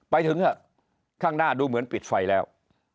ไปถึงข้างหน้าดูเหมือนปิดไฟแล้ว